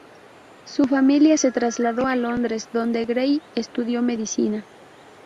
Su familia se trasladó a Londres dónde Gray estudió medicina.